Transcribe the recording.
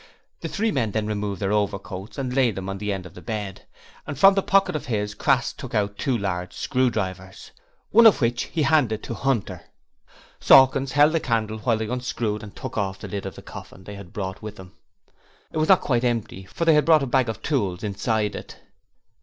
The three men then removed their overcoats and laid them on the end of the bed, and from the pocket of his Crass took out two large screwdrivers, one of which he handed to Hunter. Sawkins held the candle while they unscrewed and took off the lid of the coffin they had brought with them: it was not quite empty, for they had brought a bag of tools inside it.